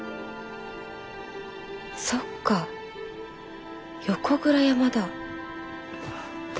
そっか横倉山だ。